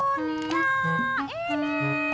oh dunia ini bakal tiada arti